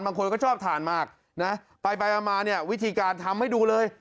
บางคนก็ชอบทานมากนะไปมาเนี่ยวิธีการทำให้ดูเลย